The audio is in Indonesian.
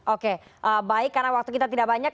oke baik karena waktu kita tidak banyak